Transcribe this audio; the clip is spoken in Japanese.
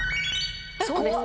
そうです